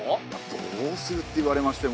どうするって言われましても。